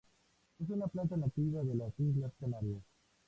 Es una planta nativa de las Islas Canarias.